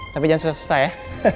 tapi jangan susah susah ya